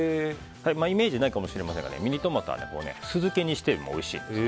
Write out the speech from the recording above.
イメージがないかもしれませんがミニトマトは酢漬けにしてもおいしいんですね。